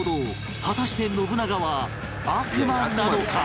果たして信長は悪魔なのか？